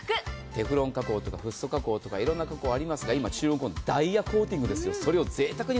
テフロン加工とかフッ素加工とかいろんな加工ありますが、今、ダイヤコーティングですよ。